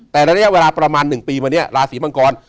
แต่ละนี้ประมาณ๑ปีโดยลาสีมังกร